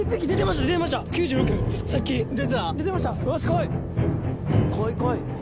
こいこい！